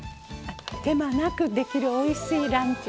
手間なくできるおいしいランチ。